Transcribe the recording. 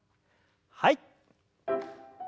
はい。